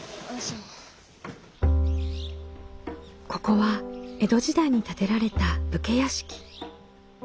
ここは江戸時代に建てられた武家屋敷。